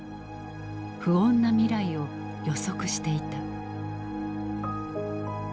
不穏な未来を予測していた。